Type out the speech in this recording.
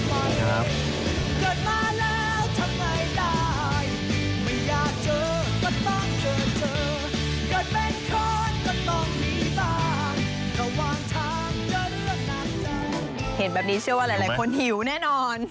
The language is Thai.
เห็นแบบนี้เชื่อว่าหลายคนหิวแน่นอน